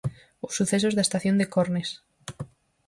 Os sucesos da estación de Cornes.